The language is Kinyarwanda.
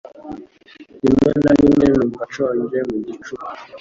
Rimwe na rimwe numva nshonje mu gicuku.